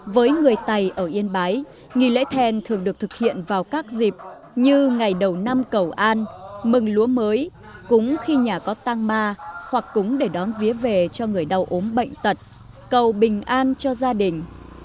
với người tày ở yên bái nghi lễ then thường được thực hiện vào các dịp như ngày đầu năm cầu an mừng lúa mới cúng khi nhà có tang ma hoặc cúng để đón vía về cho người đau ốm bệnh tật cầu bình an cho gia đình